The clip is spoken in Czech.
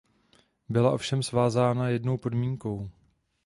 Byla ovšem svázána jednou podmínkou.